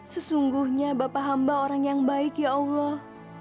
sesungguhnya bapak hamba orang yang baik ya allah